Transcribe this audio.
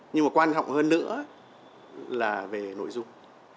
nhưng mà quan trọng hơn nữa là về nội dung